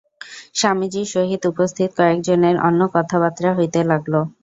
স্বামীজীর সহিত উপস্থিত কয়েকজনের অন্য কথাবার্তা হইতে লাগিল।